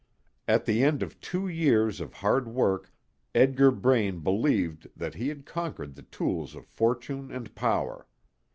At the end of two years of hard work Edgar Braine believed that he had conquered the tools of fortune and power.